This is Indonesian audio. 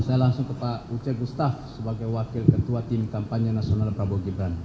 saya langsung ke pak uceh gustaf sebagai wakil ketua tim kampanye nasional prabowo gibran